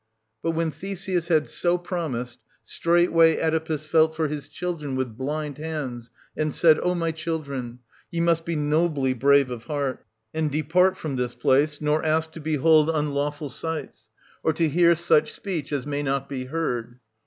But when Theseus had so promised, straightway Oedipus felt for his children with blind hands, and said : 1640 ^ O my children, ye must be nobly brave of heart, and depart from this place, nor ask to behold unlawful 1643—1673] OEDIPUS AT COLONUS. 119 sights, or to hear such speech as may not be heard.